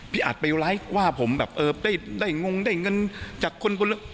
พี่อัดไปไลก์ว่าผมได้งงได้เงินจากคนบนเรื่อง